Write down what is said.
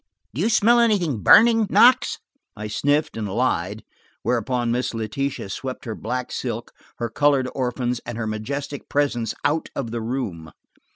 Do you smell anything burning, Knox?" I sniffed and lied, whereupon Miss Letitia swept her black silk, her colored orphans and her majestic presence out of the room.